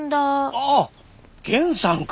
ああ源さんか！